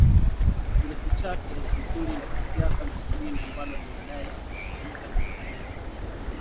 kirefu chake ni kundi la kisiasa na kidini ambalo linadai linawakilisha maslahi ya kabila la walendu